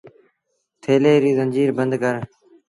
ٿيلي ريٚ زنجيٚر بند ڪر